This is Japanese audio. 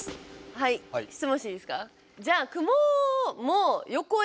はい質問していいですか？